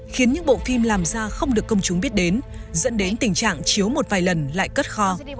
khiến những bộ phim làm ra không được công chúng biết đến dẫn đến tình trạng chiếu một vài lần lại cất kho